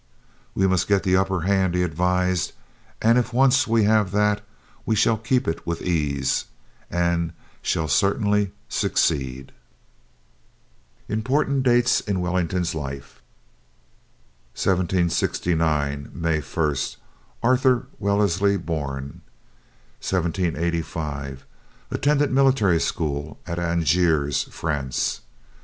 "We must get the upper hand," he advised, "and if once we have that, we shall keep it with ease, and shall certainly succeed." IMPORTANT DATES IN WELLINGTON'S LIFE 1769. May 1. Arthur Wellesley born. 1785. Attended military school at Angers, France.